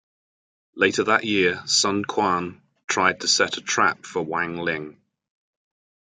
Later that year, Sun Quan tried to set a trap for Wang Ling.